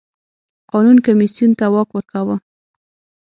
قانون کمېسیون ته واک ورکاوه.